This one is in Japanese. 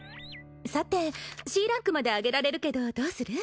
さてＣランクまで上げられるけどどうする？